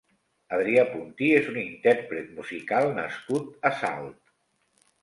Adrià Puntí és un intérpret musical nascut a Salt.